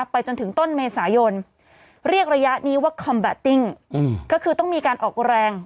ไปจนถึงต้นเมษายนเรียกระยะนี้ว่าคอมแบตติ้งก็คือต้องมีการออกแรง